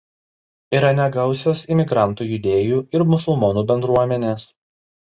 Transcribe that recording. Yra negausios imigrantų judėjų ir musulmonų bendruomenės.